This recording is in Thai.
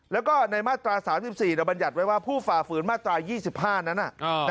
แล้วก็ในมาตรา๓๔บัญญัติไว้ว่าผู้ฝ่าฝืนมาตรา๒๕นั้น